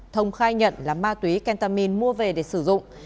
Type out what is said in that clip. thông khai nhận là ma túy kentamin mua về để sử dụng